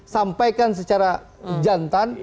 sampaikan secara jantan